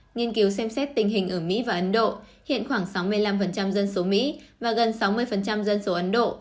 nghiên cứu xem xét tình hình ở mỹ và ấn độ hiện khoảng sáu mươi năm dân số mỹ và gần sáu mươi dân số ấn độ